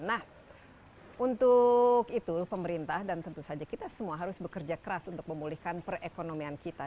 nah untuk itu pemerintah dan tentu saja kita semua harus bekerja keras untuk memulihkan perekonomian kita